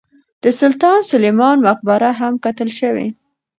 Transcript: د سلطان سلیمان مقبره هم کتل شوې.